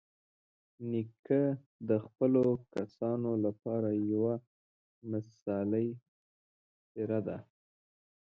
نیکه د خپلو کسانو لپاره یوه مثالي څېره ده.